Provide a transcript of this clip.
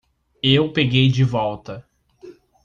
Eu peguei de volta.